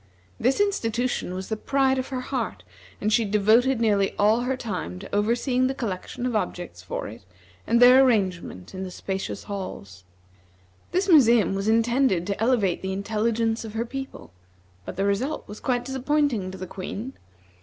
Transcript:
This institution was the pride of her heart, and she devoted nearly all her time to overseeing the collection of objects for it, and their arrangement in the spacious halls. This museum was intended to elevate the intelligence of her people, but the result was quite disappointing to the Queen.